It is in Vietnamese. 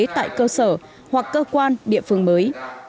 tại cơ sở hoặc cơ quan địa phương mới